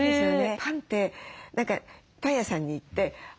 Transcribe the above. パンって何かパン屋さんに行ってあ